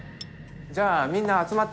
じゃあみんな集まって。